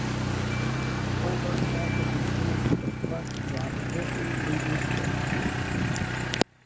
Tolbert also continued to suppress the opposition, leading to a coup.